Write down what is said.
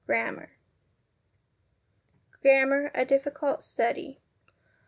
GRAMMAR Grammar a Difficult Study.